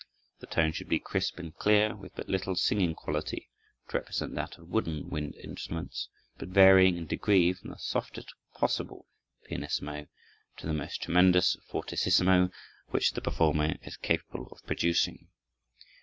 The tone should be crisp and clear, with but little singing quality, to represent that of wooden wind instruments, but varying in degree from the softest possible pp to the most tremendous fff which the performer is capable of producing.